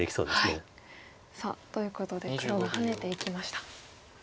さあということで黒がハネていきました。